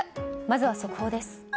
まずは速報です。